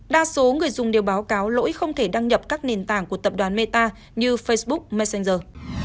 đa số người dùng đều báo cáo lỗi không thể đăng nhập các nền tảng của tập đoàn meta như facebook messenger